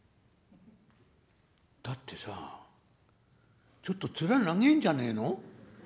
「だってさちょっと面長えんじゃねえの？」。